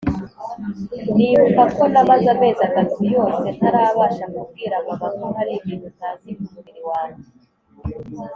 nibuka ko namaze amezi atatu yose ntarabasha kubwira mama ko hari ibintu ntazi kumubiri wanjye!